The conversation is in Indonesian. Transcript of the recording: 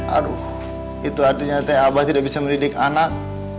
aduh itu artinya abah tidak bisa mendidik anak